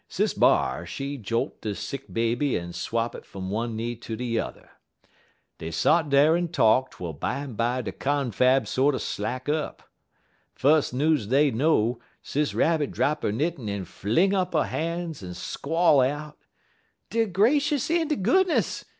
Sis B'ar, she jolt de sick baby en swap it fum one knee ter de yuther. Dey sot dar en talk twel bimeby der confab sorter slack up. Fus' news dey know Sis Rabbit drap 'er knittin' en fling up 'er han's en squall out: "'De gracious en de goodness!